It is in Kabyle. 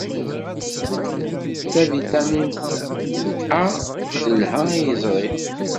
Tavitamint A telha i yiẓri.